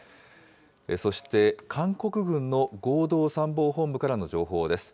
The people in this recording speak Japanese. そして、韓国軍の合同参謀本部からの情報です。